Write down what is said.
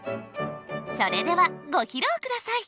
それではご披露下さい！